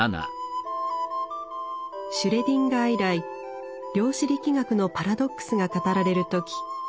シュレディンガー以来量子力学のパラドックスが語られる時。